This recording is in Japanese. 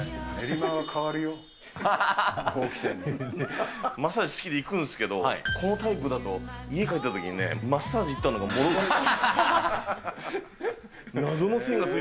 マッサージ、好きで行くんですけど、このタイプだと、家に帰ったときにね、マッサージ行ったのがもろばれ。